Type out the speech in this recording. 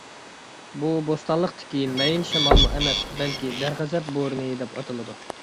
بۇ بوستانلىقتىكى مەيىن شامالمۇ ئەمەس. بەلكى «دەرغەزەپ بورىنى» دەپ ئاتىلىدۇ.